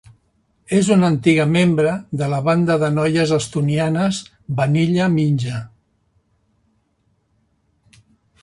És una antiga membre de la banda de noies estonianes Vanilla Ninja.